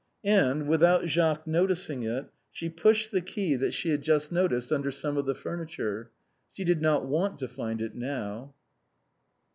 And, without Jacques noticing it, she pushed the key that she had just noticed under some of the furniture. She did not want to find it now.